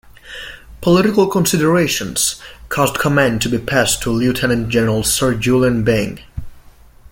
Political considerations caused command to be passed to Lieutenant-General Sir Julian Byng.